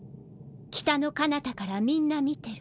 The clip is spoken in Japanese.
北の彼方からみんな見てる。